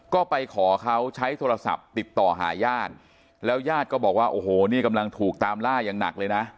ก็ไปขอเขาใช้โทรศัพท์ติดต่อหาญาติแล้วญาติก็บอกว่าโอ้โหนี่กำลังถูกตามล่าอย่างหนักเลยนะ